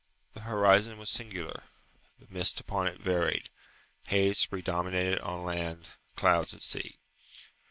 The horizon was singular. The mist upon it varied. Haze predominated on land, clouds at sea.